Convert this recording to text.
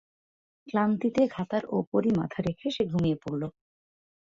ক্লান্তিতে খাতার ওপরই মাথা রেখে সে ঘুমিয়ে পড়ল।